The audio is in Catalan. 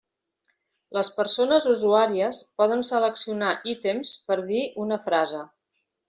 Les persones usuàries poden seleccionar ítems per dir una frase.